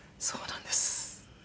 そうなんです。